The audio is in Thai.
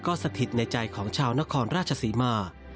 สถิตในใจของชาวนครราชศรีมา